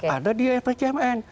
ada di rpjmn